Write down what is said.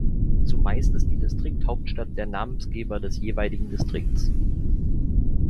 Zumeist ist die Distrikthauptstadt der Namensgeber des jeweiligen Distrikts.